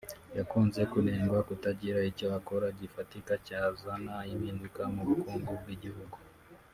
yakunze kunengwa kutagira icyo akora gifatika cyazana impinduka mu bukungu bw’igihugu